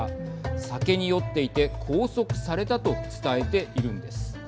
酒に酔っていて拘束されたと伝えているんです。